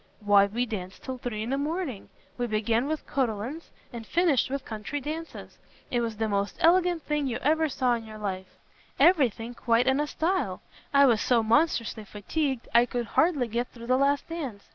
"Why we danced till three in the morning. We began with Cotillons, and finished with country dances. It was the most elegant thing you ever saw in your life; every thing quite in a style. I was so monstrously fatigued, I could hardly get through the last dance.